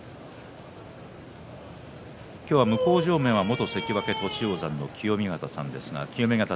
今日、向正面は元関脇栃煌山の清見潟さんです。